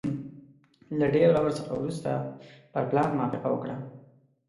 له ډېر غور څخه وروسته پر پلان موافقه وکړه.